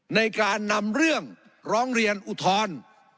ในการนำเรื่องร้องเรียนอุทธรณ์